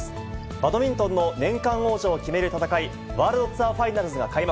バドミントンの年間王者を決める戦い、ワールドツアーファイナルズが開幕。